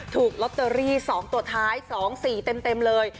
ถูกลอตเตอรี่๒ตัวท้าย๒๔เต็มเลย